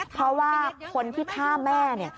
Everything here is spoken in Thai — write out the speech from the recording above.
เพราะว่าคนที่ฆ่าแม่